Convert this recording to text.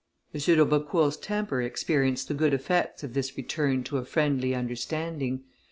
M. d'Aubecourt's temper experienced the good effects of this return to a friendly understanding.